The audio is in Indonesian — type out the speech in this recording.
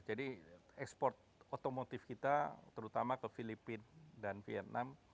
jadi ekspor otomotif kita terutama ke filipina dan vietnam